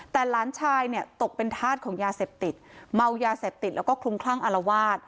แต่หลานชายเนี่ยตกเป็นธาตุของยาเสพติดเมายาเสพติดแล้วก็คลุมคลั่งอารวาส